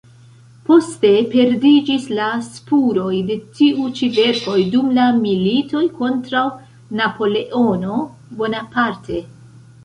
Poste perdiĝis la spuroj de tiu ĉi verkoj dum la militoj kontraŭ Napoleono Bonaparte.